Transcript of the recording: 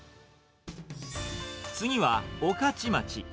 次は、御徒町。